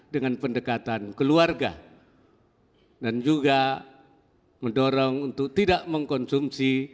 dengan pendekatan keluarga dan juga mendorong untuk tidak mengkonsumsi